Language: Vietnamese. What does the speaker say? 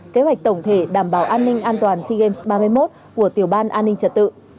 kế hoạch tổng thể đảm bảo an ninh an toàn sea games ba mươi một của tiểu ban an ninh trật tự